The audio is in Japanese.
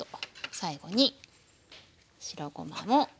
最後に白ごまも。